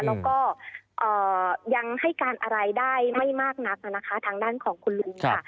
แล้วก็ยังให้การอะไรได้ไม่มากนักนะคะทางด้านของคุณลุงค่ะ